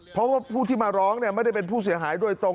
เพราะว่าผู้ที่มาร้องไม่ได้เป็นผู้เสียหายโดยตรง